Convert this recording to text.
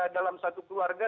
dalam satu keluarga